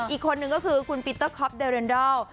อีกคนนึงก็คือคุณปีเตอร์คอปเดอเรนดอล